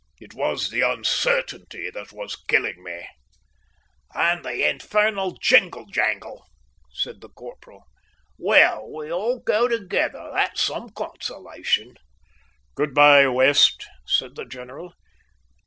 It was the uncertainty that was killing me." "And the infernal jingle jangle," said the corporal. "Well, we all go together that's some consolation." "Good bye, West," said the general.